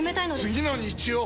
次の日曜！